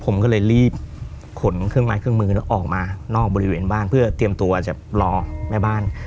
ผมก็เลยรีบขนเครื่องไม้เครื่องมือออกมานอกบริเวณบ้านเพื่อเตรียมตัวจะรอแม่บ้าน